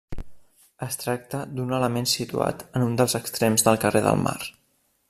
Es tracta d'un element situat en un dels extrems del carrer del Mar.